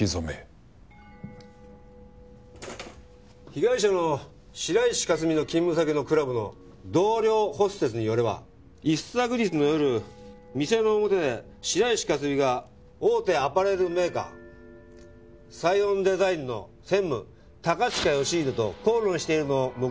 被害者の白石佳澄の勤務先のクラブの同僚ホステスによれば一昨日の夜店の表で白石佳澄が大手アパレルメーカーサイオンデザインの専務高近義英と口論しているのを目撃したという証言があります。